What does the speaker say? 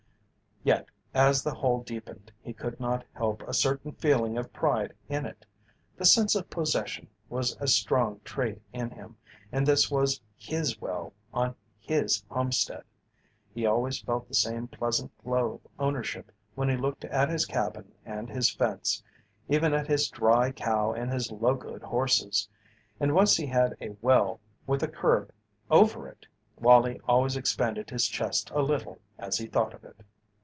Yet as the hole deepened he could not help a certain feeling of pride in it. The sense of possession was a strong trait in him, and this was his well on his homestead. He always felt the same pleasant glow of ownership when he looked at his cabin and his fence, even at his dry cow and his locoed horses, and once he had a well with a curb over it! Wallie always expanded his chest a little as he thought of it.